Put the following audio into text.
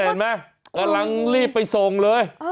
เห็นไหมกำลังรีบไปส่งเลย